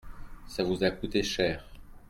ça vous a coûté cher.